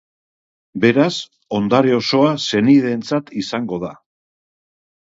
Beraz, ondare osoa senideentzatizango da.